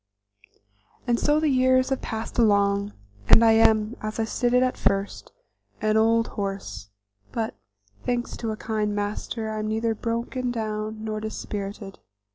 And so the years have passed along, and I am, as I stated at first, an old horse, but, thanks to a kind master, I am neither broken down nor dispirited.